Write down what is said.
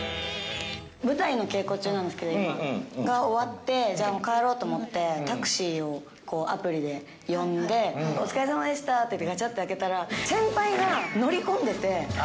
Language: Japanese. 舞台の稽古中なんですけど、今、が終わって、じゃあもう帰ろうと思って、タクシーをアプリで呼んで、お疲れさまでしたって言って、がちゃって開けたら、先輩が乗り込んでて。